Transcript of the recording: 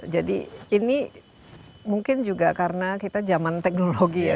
jadi ini mungkin juga karena kita zaman teknologi ya